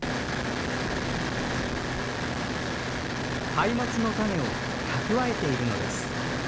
ハイマツの種を蓄えているのです。